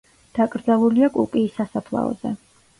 დაკრძალულია კუკიის სასაფლაოზე.